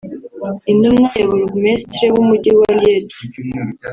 Intumwa ya Bourgoumestre w’umujyi wa Liège